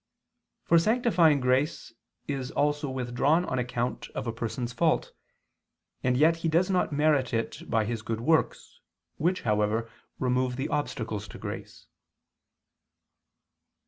For sanctifying grace also is withdrawn on account of a person's fault, and yet he does not merit it by his good works, which, however, remove the obstacles to grace.